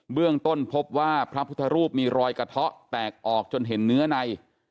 เรื่องต้นพบว่าพระพุทธรูปมีรอยกระเทาะแตกออกจนเห็นเนื้อใน